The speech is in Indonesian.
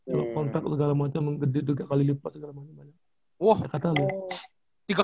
dua kontak segala macam menggede tiga kali lipat segala macam